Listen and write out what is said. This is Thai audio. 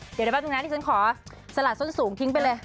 เดี๋ยวได้แป๊บตรงนั้นที่ฉันขอสละส้นสูงทิ้งไปเลย